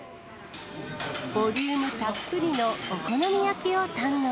ボリュームたっぷりのお好み焼きを堪能。